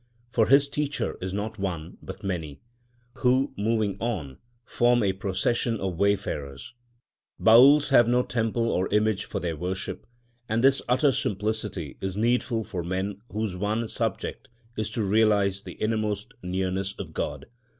For his teacher is not one, but many, who, moving on, form a procession of wayfarers. Baüls have no temple or image for their worship, and this utter simplicity is needful for men whose one subject is to realise the innermost nearness of God.